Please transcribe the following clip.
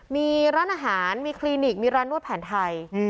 มีร้านอาหารมีคลินิกมีร้านนวดแผนไทย